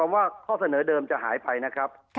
ว่าข้อเสนอเดิมจะหายไปนะครับ